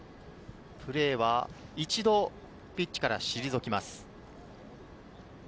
プレーは、一度ピッチから退きます。